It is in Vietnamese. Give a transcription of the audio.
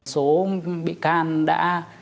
số bị can đã